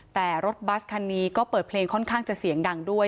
แต่รถบัสคันนี้ก็เปิดเพลงค่อนข้างจะเสียงดังด้วย